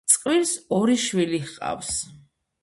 წყვილს ორი შვილი ჰყავს.